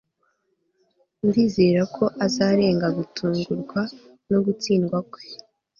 ndizera ko azarenga gutungurwa no gutsindwa kwe